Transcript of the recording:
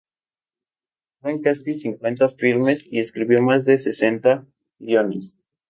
Actuó en casi cincuenta filmes y escribió más de sesenta guiones.